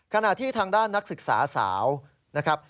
ขณะที่ทางด้านนักศึกษาสาวนะครับ